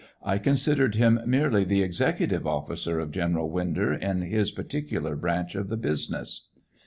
I considered him merely the executive officer of General Winder in his particular branch of the business.